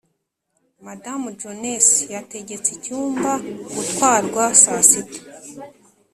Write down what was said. madamu jones yategetse icyumba gutwarwa saa sita.